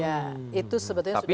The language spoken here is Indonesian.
ya itu sebetulnya sudah